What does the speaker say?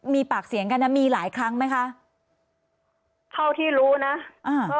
มีปากเสียงกันนะมีหลายครั้งไหมคะเท่าที่รู้นะอ่า